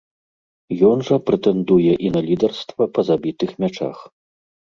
Ён жа прэтэндуе і на лідарства па забітых мячах.